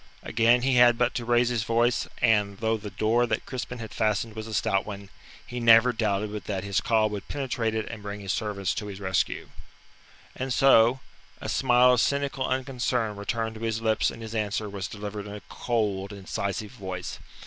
Again, he had but to raise his voice, and, though the door that Crispin had fastened was a stout one, he never doubted but that his call would penetrate it and bring his servants to his rescue. And so, a smile of cynical unconcern returned to his lips and his answer was delivered in a cold, incisive voice.